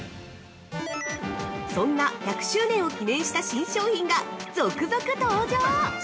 そんな１００周年を記念した新商品が続々登場！